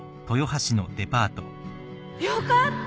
よかった。